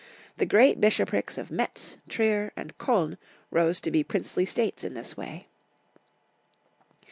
The great bishoprics of Metz, Trier, and Koln rose to be princely states in this way.